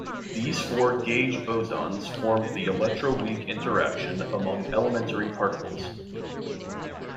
These four gauge bosons form the electroweak interaction among elementary particles.